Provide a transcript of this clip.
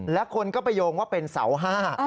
และคนก็ไปโยงว่าเป็นเสาห้า